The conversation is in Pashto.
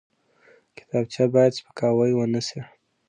کتابچه باید سپکاوی ونه شي